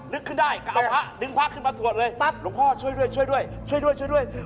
นึกขึ้นได้ก็เอาผ้าดึงผ้าขึ้นมาสวดเลยหลวงพ่อช่วยด้วยช่วยด้วยช่วยด้วย